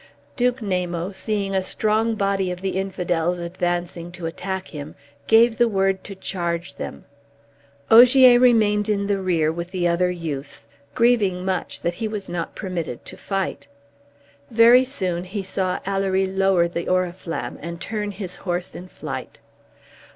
Duke Namo, seeing a strong body of the Infidels advancing to attack him, gave the word to charge them. Ogier remained in the rear, with the other youths, grieving much that he was not permitted to fight. Very soon he saw Alory lower the Oriflamme, and turn his horse in flight.